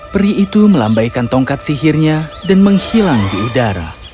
peri itu melambaikan tongkat sihirnya dan menghilang di udara